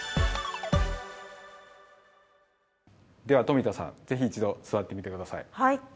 では冨田さん、ぜひ一度座ってみてください。